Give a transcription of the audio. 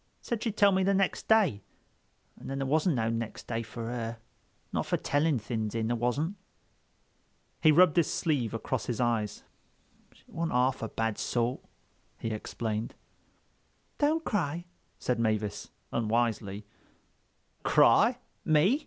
Said she'd tell me next day. An' then there wasn't no next day for her—not fer telling things in, there wasn't." He rubbed his sleeve across his eyes. "She wasn't half a bad sort," he explained. "Don't cry," said Mavis unwisely. "Cry? Me?"